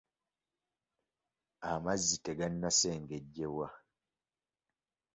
Amazzi tegannasengejjebwa.